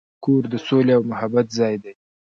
کور د سولې او محبت ځای دی.